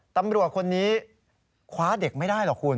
ตำรวจคนนี้คว้าเด็กไม่ได้หรอกคุณ